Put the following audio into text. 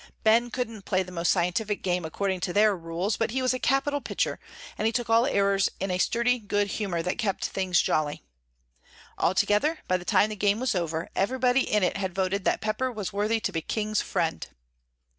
Ben couldn't play the most scientific game according to their rules, but he was a capital pitcher, and he took all errors in a sturdy good humor that kept things jolly. Altogether, by the time the game was over, everybody in it had voted that Pepper was worthy to be King's friend.